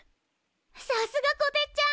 さすがこてっちゃん！